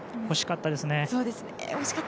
惜しかったですね。